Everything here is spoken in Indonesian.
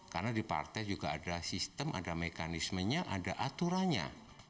karena di partai juga ada sistem ada mekanismenya ada aturannya